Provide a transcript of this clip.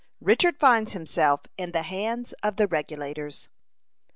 RICHARD FINDS HIMSELF IN THE HANDS OF THE REGULATORS.